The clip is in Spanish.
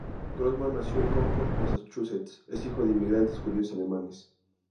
Grossman nació en Concord, Massachusetts, es hijo de inmigrantes judíos alemanes.